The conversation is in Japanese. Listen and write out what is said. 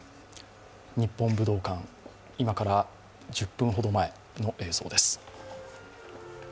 日本武道館、今から１０分ほど前の映像です。